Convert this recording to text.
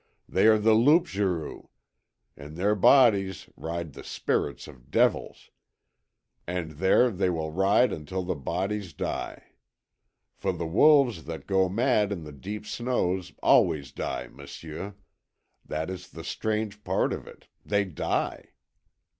They are the loups garous; in their bodies ride the spirits of devils, and there they will ride until the bodies die. For the wolves that go mad in the deep snows always die, m'sieu. That is the strange part of it. THEY DIE!"